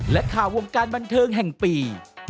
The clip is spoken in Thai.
และข่าววงการบันเทิงแห่งปี